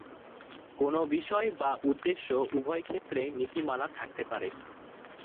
কোন বিষয় বা উদ্দেশ্য উভয়ক্ষেত্রেই নীতিমালা থাকতে পারে।